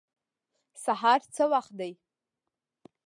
سهار څه وخت دی؟